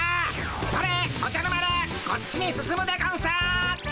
それおじゃる丸こっちに進むでゴンス。